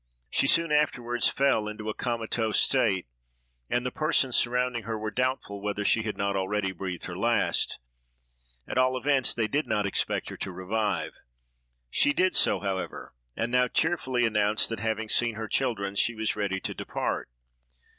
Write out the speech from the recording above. She soon afterward fell into a comatose state, and the persons surrounding her were doubtful whether she had not already breathed her last; at all events, they did not expect her to revive. She did so, however, and now cheerfully announced that, having seen her children, she was ready to depart.